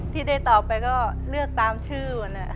ที่ได้ตอบไปก็เลือกตามชื่อนะ